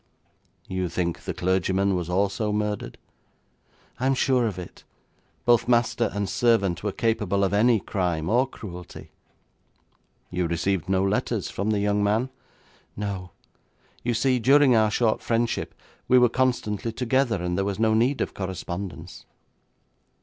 'You think the clergyman was also murdered?' 'I am sure of it. Both master and servant were capable of any crime or cruelty.' 'You received no letters from the young man?' 'No. You see, during our short friendship we were constantly together, and there was no need of correspondence.'